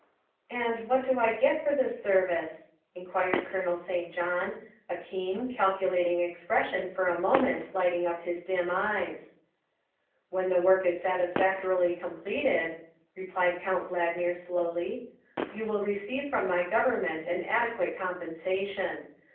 " And what do I get for this service?" inquired 94 THE WIFE OF Colonel St. John, a keen, calculating expression for a moment lighting up his dim eyes. " When the work is satisfactorily completed," replied Count Valdmir slowly, " you will receive from my Government an adequate compensation.